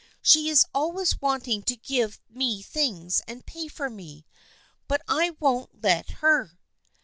She is always wanting to give me things and pay for me, but I won't let her."